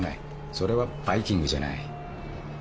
それはバイキングじゃない。